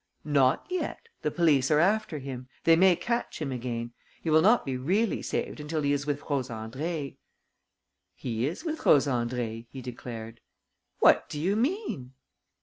"Not yet. The police are after him. They may catch him again. He will not be really saved until he is with Rose Andrée." "He is with Rose Andrée," he declared. "What do you mean?"